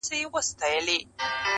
بیا به مسجد نبوي ته داخلیږم